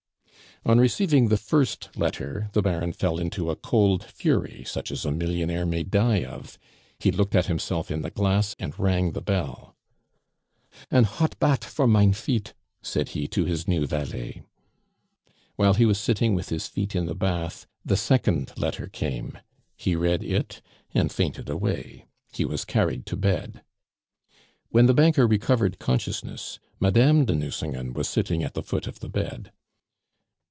On receiving the first letter, the Baron fell into a cold fury such as a millionaire may die of; he looked at himself in the glass and rang the bell. "An hot bat for mein feet," said he to his new valet. While he was sitting with his feet in the bath, the second letter came; he read it, and fainted away. He was carried to bed. When the banker recovered consciousness, Madame de Nucingen was sitting at the foot of the bed.